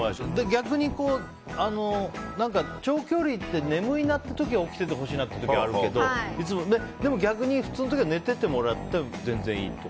逆に、長距離で眠いなって時は起きててほしいなっていうのはあるけど逆に、普通の時は寝ててもらって全然いい。